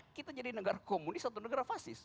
dengan impact kita jadi negara komunis atau negara fasis